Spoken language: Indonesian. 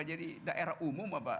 jadi daerah umum apa